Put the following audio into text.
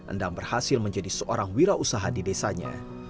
endang berhasil menjadi seorang wirausaha di desanya